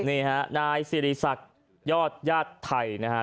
นี่ฮะนายศิริษัทยาติไทยนะฮะ